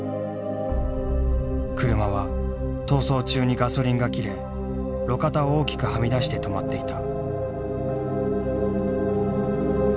車は逃走中にガソリンが切れ路肩を大きくはみ出して止まっていた。